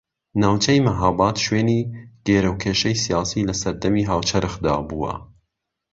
ناوچەی مەھاباد شوێنی گێرەوکێشەی سیاسی لە سەردەمی هاوچەرخدا بووە